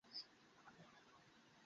সহায় সম্পত্তি খুব একটা অবশিষ্ট নেই।